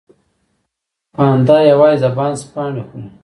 پاندا یوازې د بانس پاڼې خوري